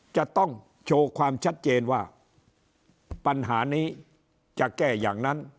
จะต้องโชว์ความชัดเจนว่าปัญหานี้จะแก้อย่างนั้น